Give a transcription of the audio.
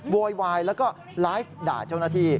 โวยวายแล้วก็ไลฟ์ด่าเจ้าหน้าที่